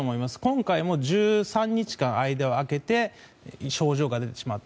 今度は１３日間間を空けて症状が出てしまった。